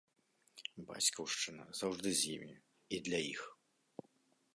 Бацькаўшчына заўжды з імі і для іх.